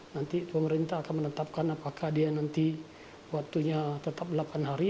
nanti pemerintah akan menetapkan apakah dia nanti waktunya tetap delapan hari